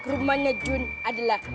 rumahnya jun adalah